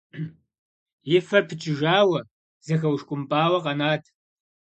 И фэр пыкӏыжауэ, зэхэушкӏумпӏауэ къэнат.